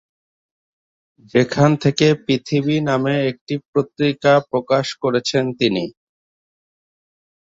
সেখান থেকে পৃথিবী নামে একটি পত্রিকা প্রকাশনা করতেন তিনি।